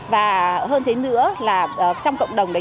và hơn thế nữa là trong cộng đồng đấy